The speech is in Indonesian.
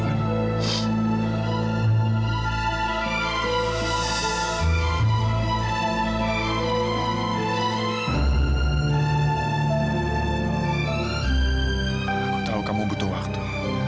aku tahu kamu butuh waktu